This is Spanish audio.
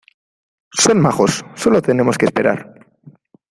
son majos, solo tenemos que esperar.